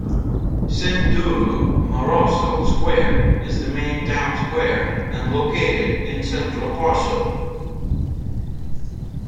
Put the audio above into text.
Sintuwu Maroso Square is the main town square and located in central Poso.